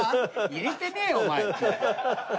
入れてねえよお前って。